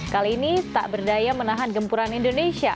kali ini tak berdaya menahan gempuran indonesia